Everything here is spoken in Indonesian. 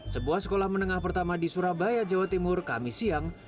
sebuah sekolah menengah pertama di surabaya jawa timur kami siang